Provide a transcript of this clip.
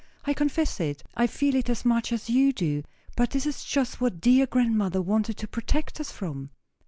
I confess it. I feel it as much as you do; but this is just what dear grandmother wanted to protect us from."